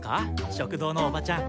食堂のおばちゃん。